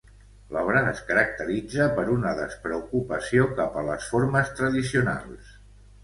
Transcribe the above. L'obra es caracteritza per una despreocupació cap a les formes tradicionals.